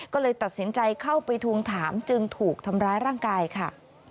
ก็เลยตัดสินใจเข้าไปทวงถามจึงถูกทำร้ายร่างกายค่ะ